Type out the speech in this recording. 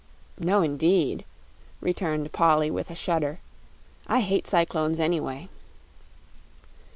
"No indeed," returned Polly, with a shudder, "I hate cyclones, anyway."